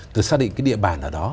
được xác định cái địa bàn ở đó